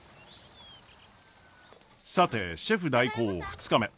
さてシェフ代行２日目。